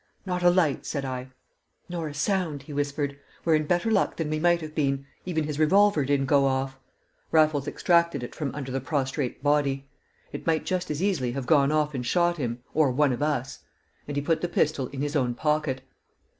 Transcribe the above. "Not a light!" said I. "Nor a sound," he whispered. "We're in better luck than we might have been; even his revolver didn't go off." Raffles extracted it from under the prostrate body. "It might just as easily have gone off and shot him, or one of us." And he put the pistol in his own pocket.